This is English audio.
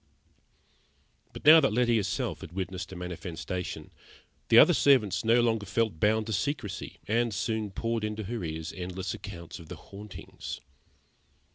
But now that Letty herself had witnessed a manifestation, the other servants no longer felt bound to secrecy, and soon poured into her ears endless accounts of the hauntings.